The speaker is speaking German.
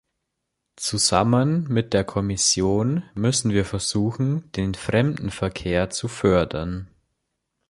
Zusammen mit der Kommission müssen wir versuchen, den Fremdenverkehr zu fördern.